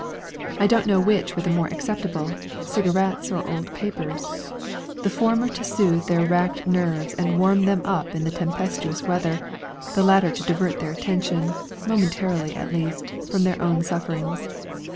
I don't know which were the more acceptable cigarettes or old papers. The former to soothe their racked nerves and warm them up in the tempestuous weather, the latter to divert their attention, momentarily at least, from their own sufferings.